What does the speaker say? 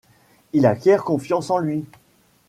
Il acquiert confiance en lui.